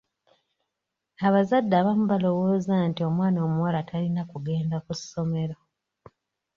Abazadde abamu balowooza nti omwana omuwala talina kugenda ku ssomero.